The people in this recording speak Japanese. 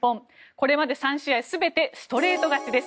これまで３試合全てストレート勝ちです。